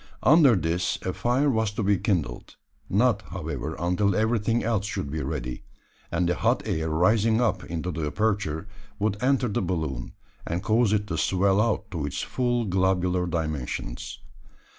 Under this a fire was to be kindled not, however, until everything else should be ready; and the hot air rising up into the aperture would enter the balloon, and cause it to swell out to its full globular dimensions.